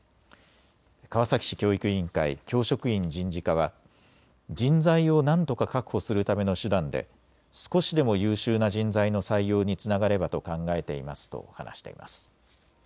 川崎市教育委員会教職員人事課は人材をなんとか確保するための手段で少しでも優秀な人材の採用につながればと考えていますと話しています。